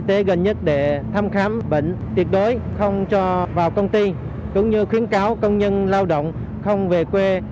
tham khám bệnh tiệt đối không cho vào công ty cũng như khuyến cáo công nhân lao động không về quê